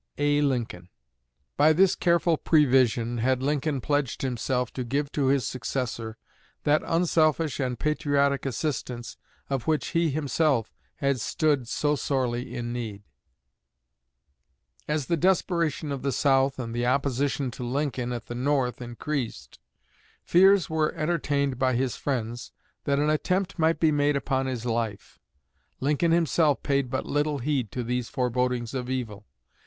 A. LINCOLN. By this careful prevision had Lincoln pledged himself to give to his successor that unselfish and patriotic assistance of which he himself had stood so sorely in need. As the desperation of the South and the opposition to Lincoln at the North increased, fears were entertained by his friends that an attempt might be made upon his life. Lincoln himself paid but little heed to these forebodings of evil.